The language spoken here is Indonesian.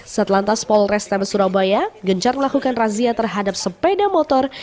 setelah tas polres tms surabaya gencar melakukan razia terhadap sepeda motor